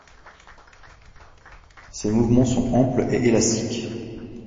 Ses mouvements sont amples et élastiques.